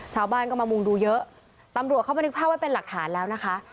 ชาวบ้านก็มามุงดูเยอะตำรวจเขาบันทึกภาพไว้เป็นหลักฐานแล้วนะคะ